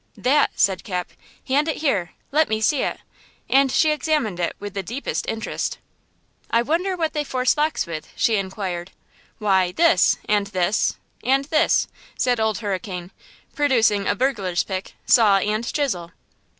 "That!" said Cap. "Hand it here! Let me see it!" And she examined it with the deepest interest. "I wonder what they force locks with?" she inquired. "Why, this, and this, and this!" said Old Hurricane, producing a burglar's pick, saw and chisel.